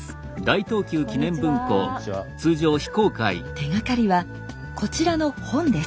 手がかりはこちらの本です。